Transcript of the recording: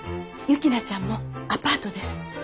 雪菜ちゃんもアパートです。